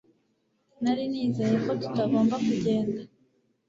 Nari nizeye ko tutagomba kugenda